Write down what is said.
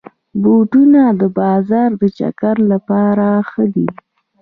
بوټونه د بازار د چکر لپاره ښه دي.